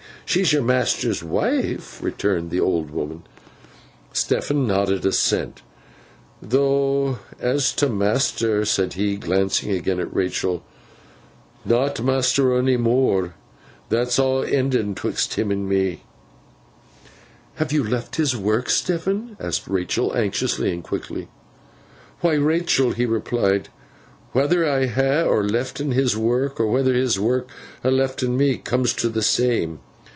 She's your master's wife,' returned the old woman. Stephen nodded assent. 'Though as to master,' said he, glancing again at Rachael, 'not master onny more. That's aw enden 'twixt him and me.' 'Have you left his work, Stephen?' asked Rachael, anxiously and quickly. 'Why, Rachael,' he replied, 'whether I ha lef'n his work, or whether his work ha lef'n me, cooms t' th' same.